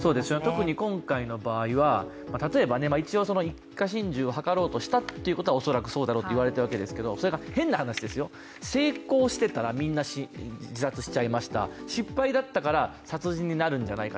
特に今回の場合は、例えば一家心中を図ろうとしたことは恐らくそうだろうと思われますが成功してたら、みんな自殺しちゃいました、失敗だったから殺人になるんじゃないか。